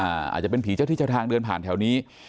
อาจจะเป็นผีเจ้าที่เจ้าทางเดินผ่านแถวนี้